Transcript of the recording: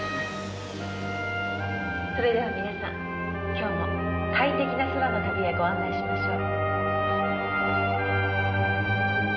「それでは皆さん今日も快適な空の旅へご案内しましょう」